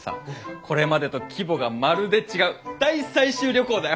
これまでと規模がまるで違う大採集旅行だよ！